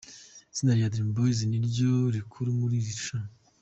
Itsinda rya Dream Boys niryo rikuru muri iri rushanwa.